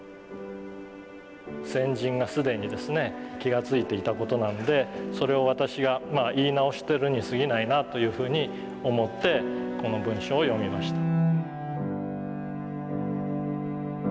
先人が既に気が付いていた事なんでそれを私が言い直してるにすぎないなというふうに思ってこの文章を読みました。